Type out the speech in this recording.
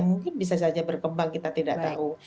mungkin bisa saja berkembang kita tidak tahu